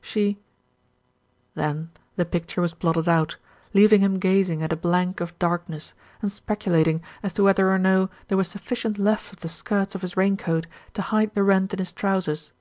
She Then the picture was blotted out, leaving him gaz ing at a blank of darkness, and speculating as to whether or no there were sufficient left of the skirts of his rain coat to hide the rent in his trousers.